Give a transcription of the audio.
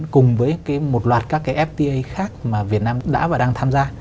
cùng với một loạt các cái fta khác mà việt nam đã và đang tham gia